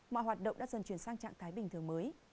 mọi hoạt động đã dần chuyển sang trạng thái bình thường mới